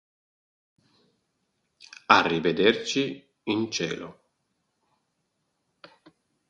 Arrivederci in cielo.